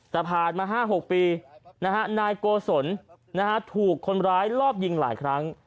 แต่ผ่านมา๕๖ปีนายโกศลถูกคนร้ายรอบยิงหลายครั้ง